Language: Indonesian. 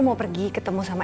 ya udah kita ketemu di sana